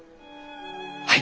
はい！